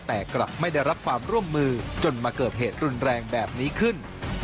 แต่กลับไม่ได้รับความร่วมมือจนมาเกิดเหตุรุนแรงแบบนี้ขึ้น